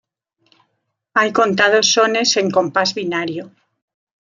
Hay contados sones en compás binario.